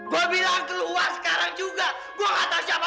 gue bilang keluar sekarang juga